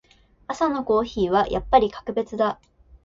朝のコーヒーはやっぱり格別だ。